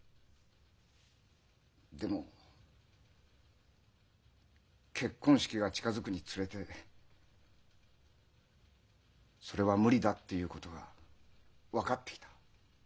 でも結婚式が近づくにつれてそれは無理だっていうことが分かってきた。